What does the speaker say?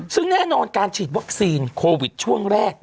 ซึ่งแน่นอนการฉีดวัคซีนโควิดช่วงแรก